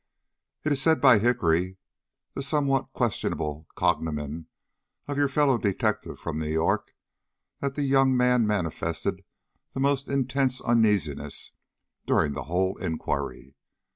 "It is said by Hickory the somewhat questionable cognomen of your fellow detective from New York that the young man manifested the most intense uneasiness during the whole inquiry.